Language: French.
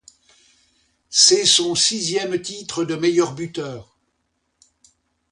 C’est son sixième titre de meilleur buteur.